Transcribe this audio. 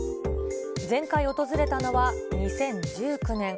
前回訪れたのは２０１９年。